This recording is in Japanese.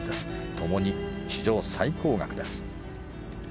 共に史上最高額です。